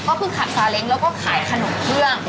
ก็คือขับซาเล้งแล้วก็ขายขนมเครื่อง